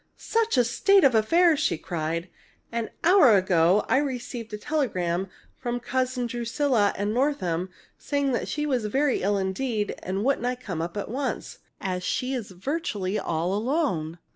"Such a state of affairs!" she cried. "An hour ago I received a telegram from Cousin Drusilla in Northam saying she was very ill indeed and wouldn't I come up at once, as she was virtually all alone.